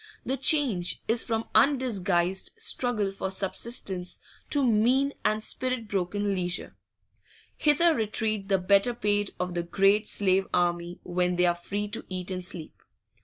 The change is from undisguised struggle for subsistence to mean and spirit broken leisure; hither retreat the better paid of the great slave army when they are free to eat and sleep.